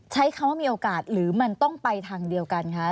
ใช้คำว่ามีโอกาสหรือมันต้องไปทางเดียวกันคะ